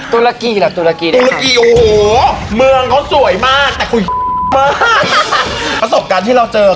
ตุลักกีหล่ะตุลักกีไหม